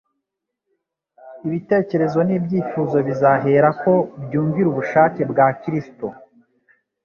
Ibitekerezo n’ibyifuzo bizaherako byumvire ubushake bwa Kristo